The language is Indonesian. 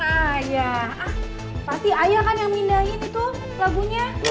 tidak pasti ayah yang minda in lagunya